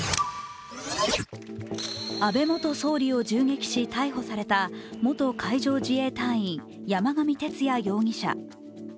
安倍元総理を銃撃し逮捕された元海上自衛隊員・山上徹也容疑者。